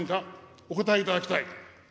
お応えいただきたい。